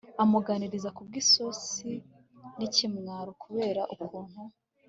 amuganiriza kubwisoni nikimwaro kubera ukuntu